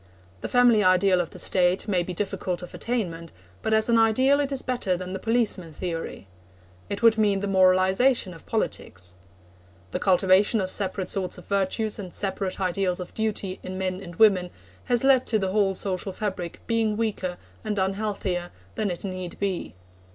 The family ideal of the State may be difficult of attainment, but as an ideal it is better than the policeman theory. It would mean the moralisation of politics. The cultivation of separate sorts of virtues and separate ideals of duty in men and women has led to the whole social fabric being weaker and unhealthier than it need be.